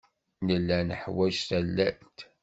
Nella neḥwaj tallalt.